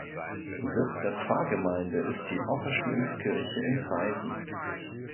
Sitz der Pfarrgemeinde ist die Auferstehungskirche in Traisen.